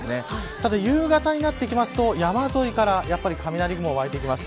ただ夕方になってくると山沿いから雷雲が湧いてきます。